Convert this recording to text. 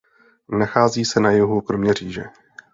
Nachází se na jihu Kroměříže.